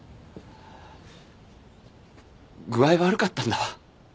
具合悪かったんだわ。